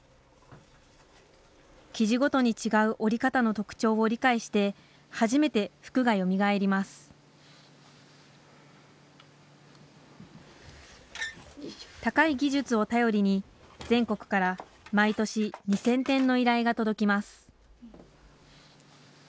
生地ごとに違う織り方の特徴を理解して初めて服がよみがえります高い技術を頼りに全国から毎年２，０００点の依頼が届きます